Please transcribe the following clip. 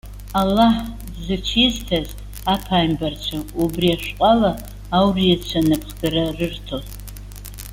Аллаҳ зыҽизҭаз аԥааимбарцәа, убри ашәҟәала ауриацәа напхгара рырҭон.